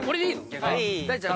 逆に。